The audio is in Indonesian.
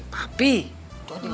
tapi kau juga ngerti